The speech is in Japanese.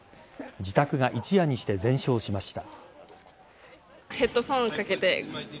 自宅が一夜にして全焼しました。